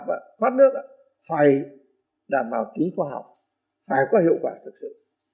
thoát nước phải đảm bảo kính khoa học phải có hiệu quả thực sự